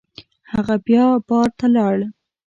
هغه بیا بار ته لاړ.